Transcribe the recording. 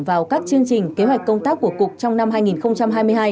vào các chương trình kế hoạch công tác của cục trong năm hai nghìn hai mươi hai